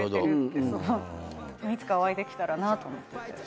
いつかお会いできたらなと思ってて。